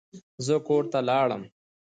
زه کور ته لاړم.